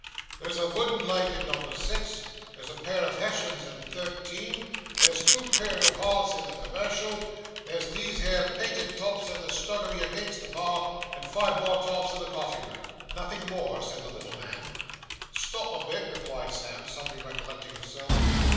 'There's a vooden leg in number six; there's a pair of Hessians in thirteen; there's two pair of halves in the commercial; there's these here painted tops in the snuggery inside the bar; and five more tops in the coffee room.' 'Nothing more?' said the little man. 'Stop a bit,' replied Sam, suddenly recollecting himself.